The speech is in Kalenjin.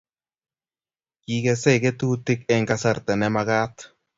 Kikesei ketutik eng kasarta ne magat